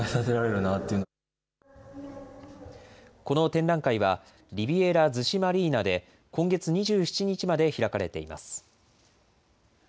この展覧会は、リビエラ逗子マリーナで今月２７日まで開かれています。